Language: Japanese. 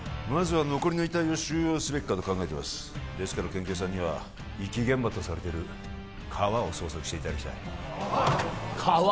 まずは残りの遺体を収容すべきかと考えていますですから県警さんには遺棄現場とされてる川を捜索していただきたい川？